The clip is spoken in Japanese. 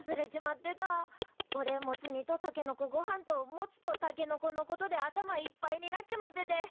おれモツ煮とたけのこごはんとモツとたけのこのことで頭いっぱいになっちまってて。